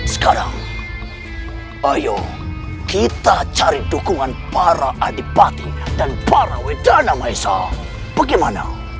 sekarang ayo kita cari dukungan para adipati dan para widana maesa bagaimana